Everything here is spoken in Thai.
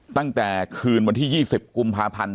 ตั้งแต่คืนวันที่๒๐กุมภาพันธ์